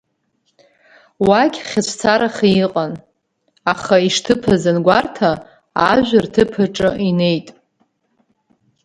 Уагь хьыҵәцараха иҟан, аха ишҭыԥыз ангәарҭа, ажә рҭыԥ аҿы инеит.